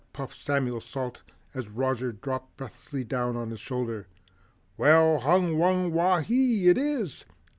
puffed Samuel Salt as Roger dropped breathlessly down on his shoulder. "Well, 'Hung wung wah HEEE!' it is.